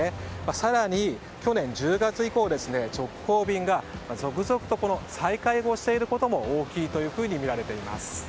更に、去年１０月以降直行便が続々と再開していることも大きいというふうにみられています。